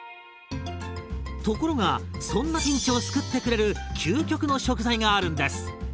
ところがそんなピンチを救ってくれる究極の食材があるんです。